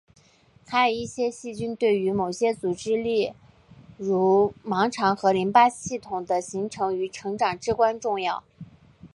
还有一些细菌对于某些组织例如盲肠和淋巴系统的形成与成长至关重要。